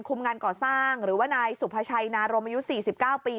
งานก่อสร้างหรือว่านายสุภาชัยนารมอายุ๔๙ปี